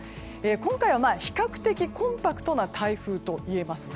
今回は比較的コンパクトな台風といえます。